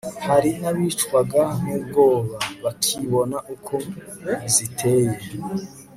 hari n'abicwaga n'ubwoba, bakibona uko ziteye